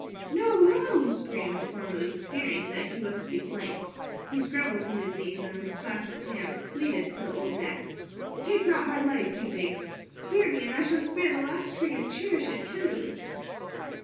"No, no," screamed Hormuz, fearing that he was to be slain. He scrambled to his knees and with clasped hands pleaded to the old man. "Take not my life," he begged. "Spare me, and I shall spare the last tree and cherish it tenderly."